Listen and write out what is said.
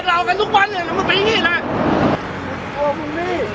สวัสดีครับคุณผู้ชาย